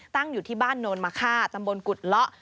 ตั้งอยู่ที่บ้านโนนมะค่าตำบลกุฎเลาะ